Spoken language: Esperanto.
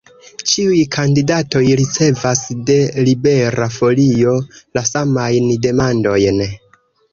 Ĉiuj kandidatoj ricevas de Libera Folio la samajn demandojn.